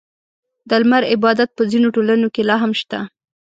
• د لمر عبادت په ځینو ټولنو کې لا هم شته.